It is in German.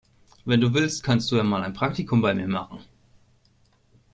Wenn du willst, kannst du ja mal ein Praktikum bei mir machen.